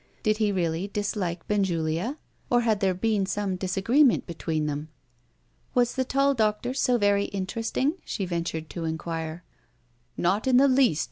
Did he really dislike Benjulia, and had there been some disagreement between them? "Was the tall doctor so very interesting?" she ventured to inquire. "Not in the least!"